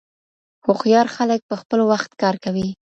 هوښیار خلګ په خپل وخت کار کوي.